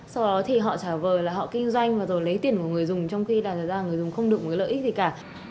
sau đó thì họ trả vờ là họ kinh doanh và rồi lấy tiền của người dùng trong khi là người dùng không được một cái lợi ích gì cả